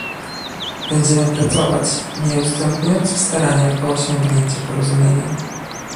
Będziemy pracować, nie ustępując w staraniach o osiągnięcie porozumienia